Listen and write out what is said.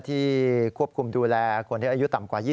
ที่ควบคุมดูแลคนที่อายุต่ำกว่า๒๐